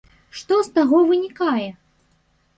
Што з таго вынікае?